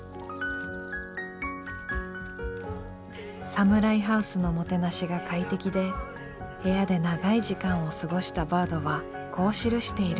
サムライハウスのもてなしが快適で部屋で長い時間を過ごしたバードはこう記している。